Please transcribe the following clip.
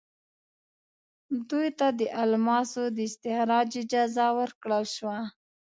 دوی ته د الماسو د استخراج اجازه ورکړل شوه.